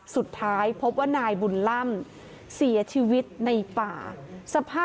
สุดท้ายพบว่านายบุญล่ำเสียชีวิตในป่า